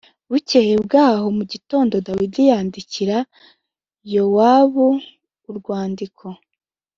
Bukeye bwaho mu gitondo Dawidi yandikira Yowabu urwandiko